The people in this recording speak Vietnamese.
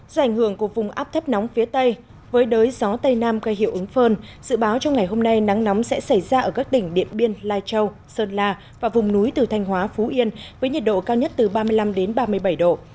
do ảnh hưởng của vùng áp thấp nóng phía tây với đới gió tây nam gây hiệu ứng phơn dự báo trong ngày hôm nay nắng nóng sẽ xảy ra ở các tỉnh điện biên lai châu sơn la và vùng núi từ thanh hóa phú yên với nhiệt độ cao nhất từ ba mươi năm ba mươi bảy độ